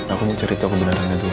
aku mau cerita kebenarannya dulu